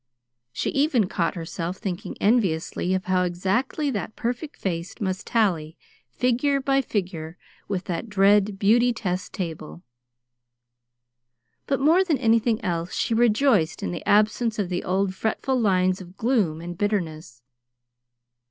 She even caught herself thinking enviously of how exactly that perfect face must tally, figure by figure, with that dread beauty test table. But more than anything else she rejoiced in the absence of the old fretful lines of gloom and bitterness.